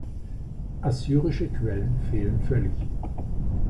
Assyrische Quellen fehlen völlig.